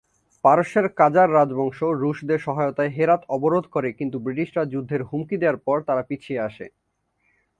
পারস্যের কাজার রাজবংশ রুশদের সহায়তায় হেরাত অবরোধ করে কিন্তু ব্রিটিশরা যুদ্ধের হুমকি দেয়ার পর তারা পিছিয়ে আসে।